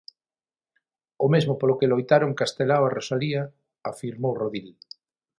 O mesmo polo que loitaron Castelao e Rosalía, afirmou Rodil.